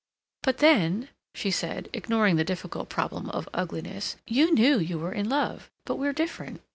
"But then," she said, ignoring the difficult problem of ugliness, "you knew you were in love; but we're different.